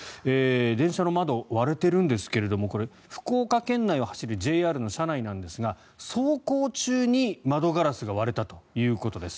電車の窓、割れてるんですけどこれ、福岡県内を走るＪＲの車内なんですが走行中に窓ガラスが割れたということです。